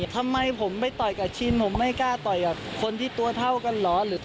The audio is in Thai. ทำไมผมไปต่อยกับชินผมไม่กล้าต่อยกับคนที่ตัวเท่ากันเหรอ